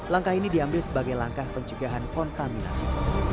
langkah ini diambil sebagai langkah pencegahan kontaminasi